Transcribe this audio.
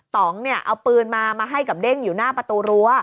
ต้องเนี่ยเอาปืนมามาให้กับเด้งอยู่หน้าประตูรั้ว